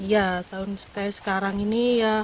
iya seperti sekarang ini